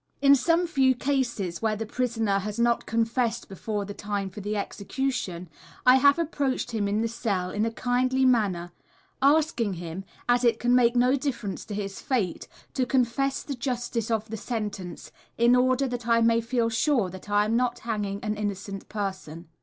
In some few cases, where the prisoner has not confessed before the time for the execution, I have approached him in the cell in a kindly manner, asking him, as it can make no difference to his fate, to confess the justice of the sentence, in order that I may feel sure that I am not hanging an innocent person.